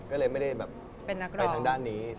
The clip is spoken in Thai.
ก็เลยไม่ได้แบบไปทางด้านนี้